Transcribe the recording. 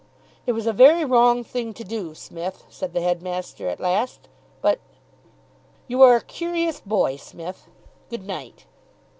"It was a very wrong thing to do, Smith," said the headmaster, at last, "but.... You are a curious boy, Smith. Good night."